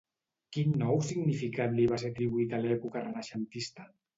Quin nou significat li va ser atribuït a l'època renaixentista?